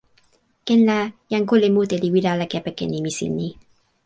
ken la, jan kule mute li wile ala kepeken nimi sin ni.